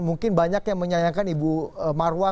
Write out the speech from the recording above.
mungkin banyak yang menyayangkan ibu marwa